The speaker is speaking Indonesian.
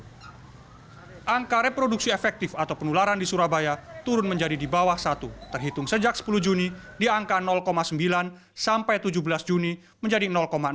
angka reproduksi efektif atau penularan di surabaya turun menjadi di bawah satu terhitung sejak sepuluh juni di angka sembilan sampai tujuh belas juni menjadi enam